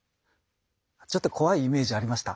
ちょっと怖いイメージありました？